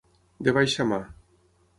De baixa mà.